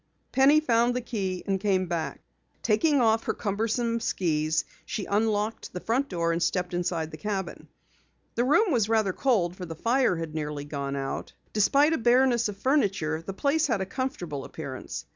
Penny found the key and came back. Taking off her cumbersome skis, she unlocked the front door and stepped inside the cabin. The room was rather cold for the fire had nearly gone out. Despite a bareness of furniture, the place had a comfortable appearance.